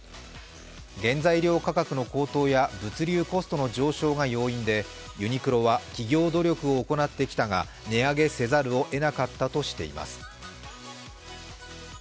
原材料価格の高騰や物流コストの上昇が要因でユニクロは企業努力を行ってきたが、値上げせざるをえなかったとしています。